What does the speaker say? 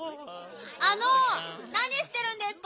あのなにしてるんですか？